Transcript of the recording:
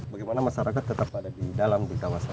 bagaimana masyarakat tetap ada di dalam di kawasan